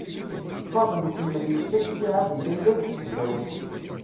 Faḍel ikemmel yettak ttiεad i Layla deg tesdawit.